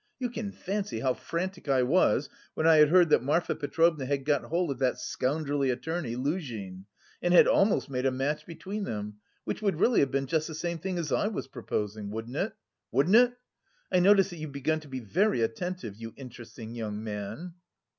You can fancy how frantic I was when I heard that Marfa Petrovna had got hold of that scoundrelly attorney, Luzhin, and had almost made a match between them which would really have been just the same thing as I was proposing. Wouldn't it? Wouldn't it? I notice that you've begun to be very attentive... you interesting young man...."